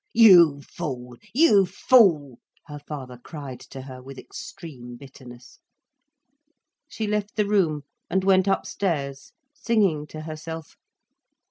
"You fool! You fool!" her father cried to her, with extreme bitterness. She left the room, and went upstairs, singing to herself.